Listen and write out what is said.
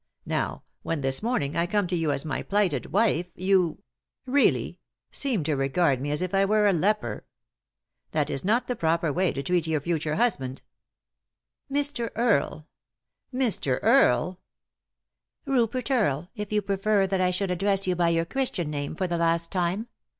Now when, this morning, I come to you as my plighted wife, you — really 1 — seem to regard me as if I were a leper. 3i 9 iii^d by Google THE INTERRUPTED KISS That is not the proper way to treat your future husband." " Mr. Earle " "Mr. Earle I" " Rupert Earle, it you prefer that I should address you by your Christian name, for the last time.